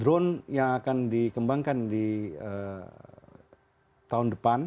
drone yang akan dikembangkan di tahun depan